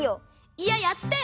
いややったよ！